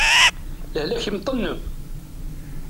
Lehlak imṭenneb.